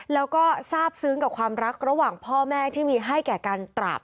แล้วก็ทราบซึ้งกับความรักระหว่างพ่อแม่ที่มีให้แก่การตราบ